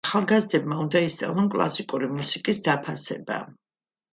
ახალგაზრდებმა უნდა ისწავლონ კლასიკური მუსიკის დაფასება.